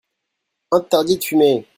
Interdit de fumer.